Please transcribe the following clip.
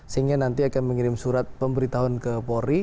sehingga nanti akan mengirim surat pemberitahuan ke polri